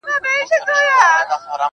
چي دي غوښتل هغه تللي دي له وخته-